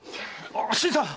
新さん！